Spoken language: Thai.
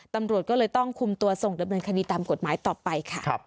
ตำรวจก็เลยต้องคุมตัวส่งดำเนินคดีตามกฎหมายต่อไปค่ะ